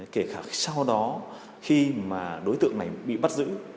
kể cả sau đó khi mà đối tượng này bị bắt giữ